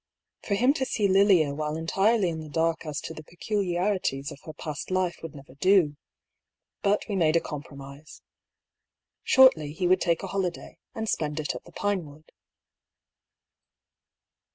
For him to see Lilia while entirely in the dark as to the peculiarities of her past life would never do. But we made a compromise. Shortly he would take a holi day, and spend it at the Pinewood.